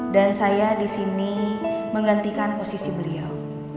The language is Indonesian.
dan saya disini menggantikan posisi beliau